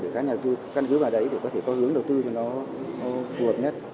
để các nhà đầu tư căn cứ vào đấy để có thể có hướng đầu tư cho nó phù hợp nhất